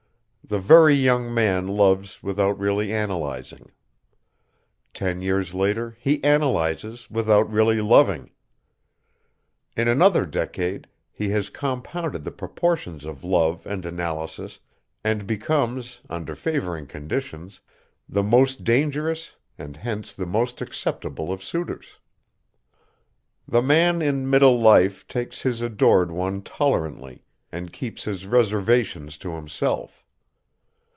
The very young man loves without really analyzing. Ten years later he analyzes without really loving. In another decade he has compounded the proportions of love and analysis, and becomes, under favoring conditions, the most dangerous and hence the most acceptable of suitors. The man in middle life takes his adored one tolerantly, and keeps his reservations to himself.